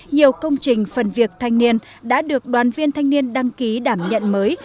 nhiều công trình phần việc thanh niên đã được đoàn viên thanh niên đăng ký đảm nhận mới